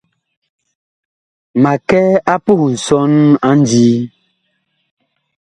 Ma kɛ a puh nsɔn a ndii.